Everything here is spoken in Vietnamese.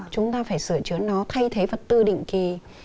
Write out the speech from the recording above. chúng ta phải sửa chứa nó thay thế vật tư định kỳ